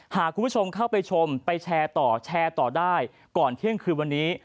หากคุณผู้ชมเข้าไปชมไปแชร์ต่อแชร์ต่อได้ก่อนเที่ยงคืนวันนี้